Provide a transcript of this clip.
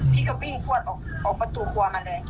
พี่ก็วิ่งควดออกประตูครัวมาเลย